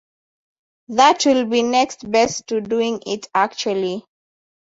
That will be next best to doing it actually.